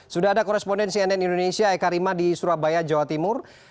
sudah ada korespondensi nn indonesia eka rima di surabaya jawa timur